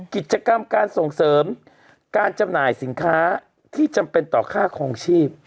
กิจกรรมการส่งเสริมการจำหน่ายสินค้าที่จำเป็นต่อค่าคลองชีพ